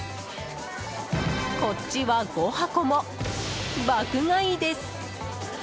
こっちは５箱も爆買いです。